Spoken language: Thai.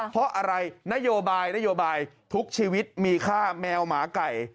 เพราะอะไรนโยบายนโยบายทุกชีวิตมีค่าแมวหมาไก่